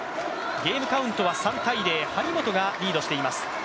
ゲームカウントは３−０張本がリードしています。